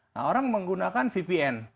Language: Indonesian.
nah orang menggunakan vpn